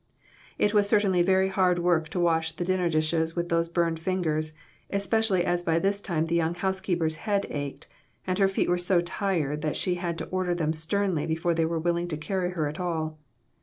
It was certainly very hard work to wash the dinner dishes with those burned fingers ; espe cially as by this time the young housekeeper's head ached, and her feet were so tired she had to order them sternly before they were willing to carry her at all.